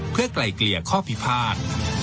เพื่อไกลเกลี่ยข้อพิพาท